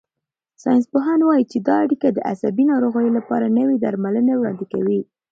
ساینسپوهان وايي چې دا اړیکه د عصبي ناروغیو لپاره نوي درملنې وړاندې کوي.